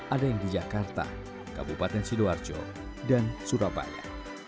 ada yang di jakarta kabupaten sidoarjo dan surabaya